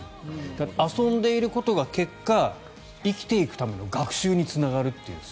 遊んでいることが結果、生きていくための学習につながるっていう。